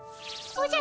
おじゃ。